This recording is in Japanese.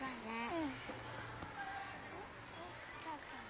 うん。